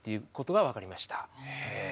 へえ！